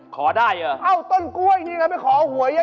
ขอได้อ้าวต้นกล้วยนี่เขาไปขอห่วยเยอะ